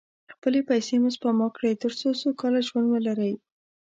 خپلې پیسې مو سپما کړئ، تر څو سوکاله ژوند ولرئ.